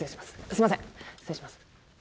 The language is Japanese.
すみません失礼します。